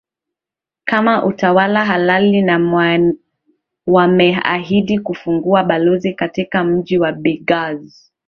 kama utawala halali na wameahidi kufungua balozi katika mji wa bigaz